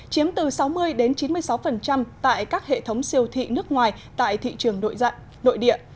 chiếm từ sáu mươi chín mươi sáu tại các hệ thống siêu thị nước ngoài tại thị trường nội địa